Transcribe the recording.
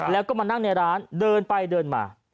แล้วก็มานั่งในร้านเดินไปเดินมา